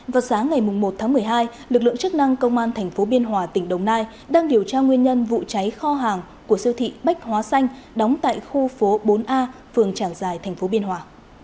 vào sáng ngày một tháng một mươi hai lực lượng chức năng công an tp biên hòa tỉnh đồng nai đang điều tra nguyên nhân vụ cháy kho hàng của siêu thị bách hóa xanh đóng tại khu phố bốn a phường trảng giải tp biên hòa